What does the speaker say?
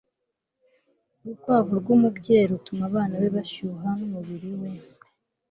urukwavu rwumubyeyi rutuma abana be bashyuha numubiri we